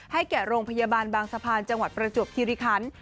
แก่โรงพยาบาลบางสะพานจังหวัดประจวบคิริคัน